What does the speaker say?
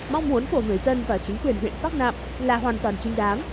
mong muốn của người dân và chính quyền huyện bắc nạm là hoàn toàn chính đáng